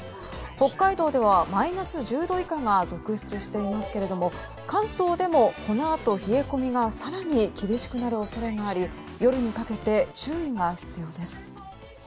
北海道ではマイナス１０度以下が続出していますけども関東でも、このあと冷え込みが更に厳しくなる恐れがあり夜にかけて、注意が必要です。